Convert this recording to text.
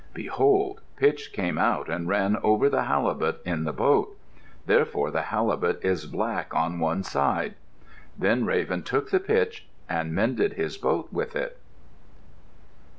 Behold! Pitch came out and ran over the halibut in the boat. Therefore the halibut is black on one side. Then Raven took the pitch and mended his boat with it.